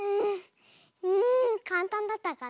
うんかんたんだったかな。